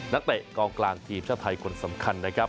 เตะกองกลางทีมชาติไทยคนสำคัญนะครับ